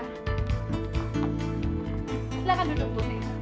silahkan duduk bu tanti